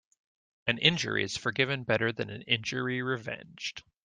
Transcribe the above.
An injury is forgiven better than an injury revenged.